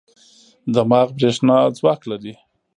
دماغ برېښنا ځواک لري.